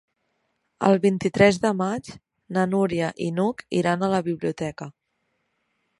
El vint-i-tres de maig na Núria i n'Hug iran a la biblioteca.